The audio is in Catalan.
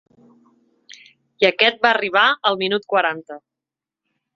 I aquest va arribar al minut quaranta.